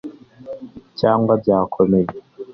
cyangwa bakomeye